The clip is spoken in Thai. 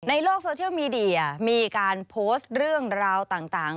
ในโลกโซเชียลมีเดียมีการโพสต์เรื่องราวต่าง